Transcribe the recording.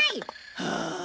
はあ。